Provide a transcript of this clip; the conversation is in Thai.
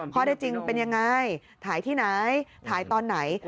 ข้อได้จริงเป็นยังไงถ่ายที่ไหนถ่ายตอนไหน